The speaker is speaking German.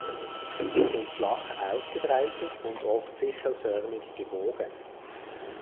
Sie sind flach ausgebreitet und oft sichelförmig gebogen.